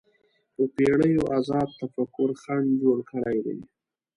په پېړیو ازاد تفکر خنډ جوړ کړی دی